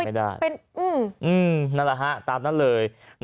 ไม่ได้นั่นล่ะฮะตามนั้นเลย